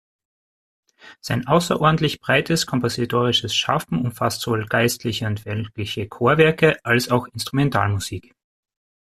Sein außerordentlich breites kompositorisches Schaffen umfasst sowohl geistliche und weltliche Chorwerke, als auch Instrumentalmusik.